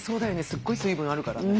すっごい水分あるからね。